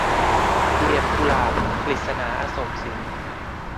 เหลี่ยมกุหลาบ - กฤษณา อโศกสิน